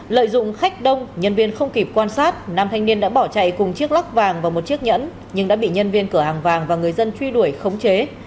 lợi dụng khách đông nhân viên không kịp quan sát nam thanh niên đã bỏ chạy cùng chiếc lóc vàng và một chiếc nhẫn nhưng đã bị nhân viên cửa hàng vàng và người dân truy đuổi khống chế